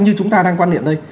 như chúng ta đang quan niệm đây